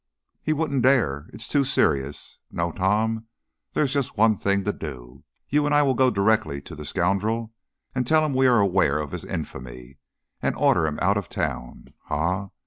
"He wouldn't dare. It is too serious. No, Tom, there's just one thing to do; you and I will go directly to the scoundrel, tell him we are aware of his infamy, and order him out of town. Ha!